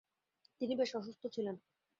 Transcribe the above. তিনি বেশ অসুস্থ ছিলেন।